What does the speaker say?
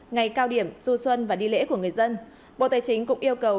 ngày cao điểm du xuân và đi lễ của người dân bộ tài chính cũng yêu cầu